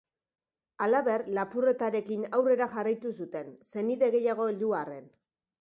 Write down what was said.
Halaber, lapurretarekin aurrera jarraitu zuten, senide gehiago heldu arren.